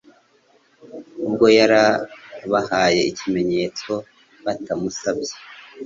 Ubwo yari abahaye ikimenyetso batamusabye,